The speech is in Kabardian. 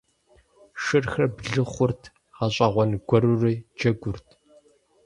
Шырхэр блы хъурт, гъэщӀэгъуэн гуэрури джэгурт.